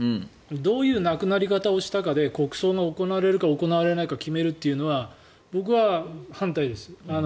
どういう亡くなり方をしたかで国葬の行われるか行われないかを決めるというのは僕は反対です。